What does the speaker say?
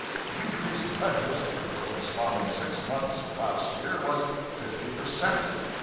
The increase of letters over the corresponding six months of last year was fifty per cent.